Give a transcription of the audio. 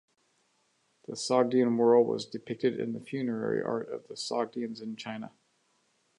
The Sogdian Whirl was depicted in the funerary art of Sogdians in China.